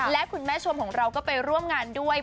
และคุณแม่ชมของเราก็ไปร่วมงานด้วย